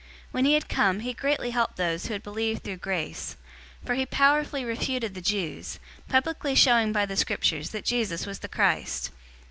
When he had come, he greatly helped those who had believed through grace; 018:028 for he powerfully refuted the Jews, publicly showing by the Scriptures that Jesus was the Christ.